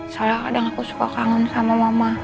saya kadang aku suka kangen sama mama